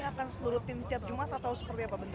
akan rutin tiap jumat atau seperti apa